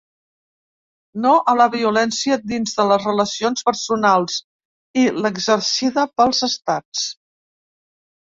No a la violència dins de les relacions personals i l’exercida pels estats.